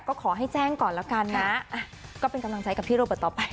ก็ขอให้แจ้งก่อนแล้วกันนะก็เป็นกำลังใจกับพี่โรเบิร์ตต่อไป